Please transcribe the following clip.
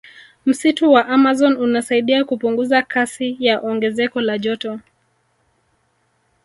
Msitu wa amazon unasaidia kupunguza kasi ya ongezeko la joto